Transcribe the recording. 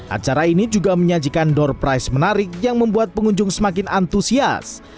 acara ini juga menyajikan door price menarik yang membuat pengunjung semakin antusias